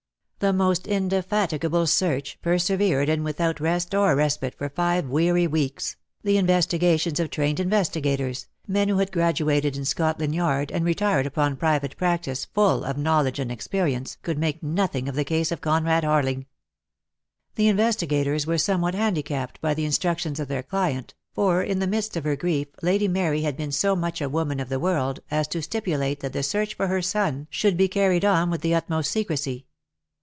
The most indefatigable search, persevered in with out rest or respite for five weary weeks, the in vestigations of trained investigators, men who had graduated in Scotland Yard and retired upon private practice full of knowledge and experience, could make nothing of the case of Conrad Harling, DEAD LOVE HAS CHAINS. 8/ The investigators were somewhat handicapped by the instructions of their chent, for in the midst of her grief Lady Mary had been so much a woman of the world as to stipulate that the search for her son should be carried on with the utmost secrecy.